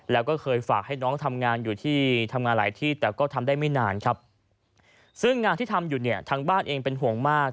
แล้วก็เคยฝากให้น้องทำงานอยู่ที่ทำงานหลายที่แต่ก็ทำได้ไม่นานครับซึ่งงานที่ทำอยู่เนี่ยทางบ้านเองเป็นห่วงมาก